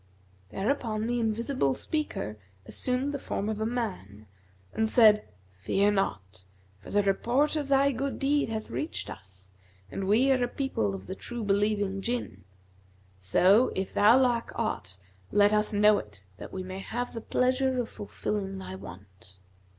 Thereupon the Invisible Speaker assumed the form of a man and said, 'Fear not; for the report of thy good deed hath reached us, and we are a people of the true believing Jinn. So, if thou lack aught, let us know it that we may have the pleasure of fulfilling thy want.'